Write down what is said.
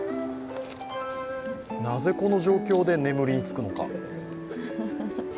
なぜこの状況で眠りにつくのか。